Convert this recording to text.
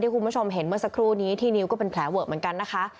คุณผู้ชมเห็นเมื่อสักครู่นี้ที่นิ้วก็เป็นแผลเวอะเหมือนกันนะคะ